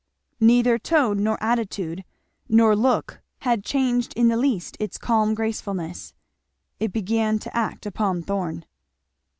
Neither tone nor attitude nor look had changed in the least its calm gracefulness. It began to act upon Thorn.